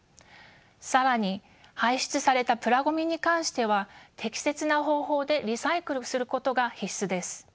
更に排出されたプラごみに関しては適切な方法でリサイクルすることが必須です。